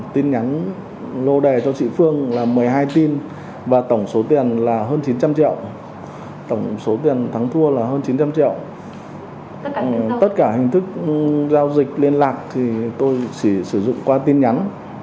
trịnh thị phương đánh bạc là hơn năm trăm linh triệu tất cả hình thức là qua tin nhắn